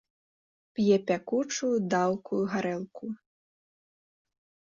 П'е пякучую, даўкую гарэлку.